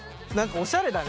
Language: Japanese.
おしゃれだね。